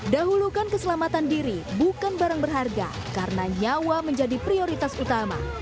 dahulukan keselamatan diri bukan barang berharga karena nyawa menjadi prioritas utama